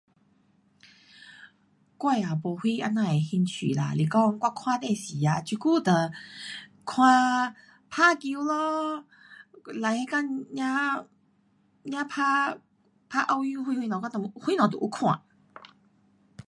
我也没什这样的兴趣啦，是讲我看电视啊，这久就看打球咯，like 那天才，才打，打奥运会什么，我就什么都有看。